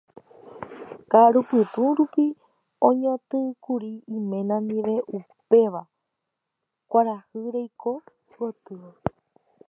Ka'arupytũ rupi oñotỹkuri iména ndive upéva kuarahy reike gotyo.